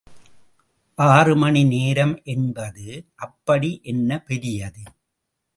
ஆறுமணி நேரம் என்பது அப்படி என்ன பெரியது?